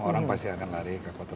orang pasti akan lari ke kota